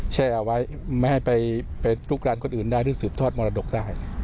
แช่เอาไว้ไม่ให้ไปทุกร้านคนอื่นได้ที่สืบทอดมรดกได้